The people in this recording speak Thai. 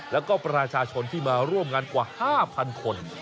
แล้วก็ประชาชนที่มาร่วมงานกว่า๕๐๐คน